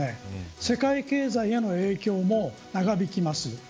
世界経済への影響も長引きます。